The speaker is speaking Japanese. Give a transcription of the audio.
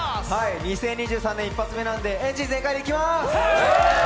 ２０２３年１発目なのでエンジン全開でいきます！